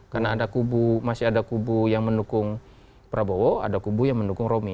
karena ada kubu masih ada kubu yang mendukung prabowo ada kubu yang mendukung romi